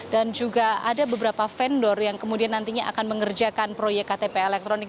dan juga ada beberapa vendor yang kemudian nantinya akan mengerjakan proyek ktp elektronik